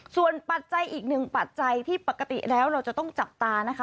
ส่วนปัจจัยอีกหนึ่งปัจจัยที่ปกติแล้วเราจะต้องจับตานะคะ